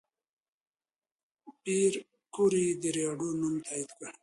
پېیر کوري د راډیوم نوم تایید کړ.